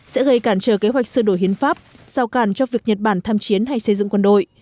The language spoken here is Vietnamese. sẽ gây cản trở kế hoạch sửa đổi hiến pháp sao cản cho việc nhật bản tham chiến hay xây dựng quân đội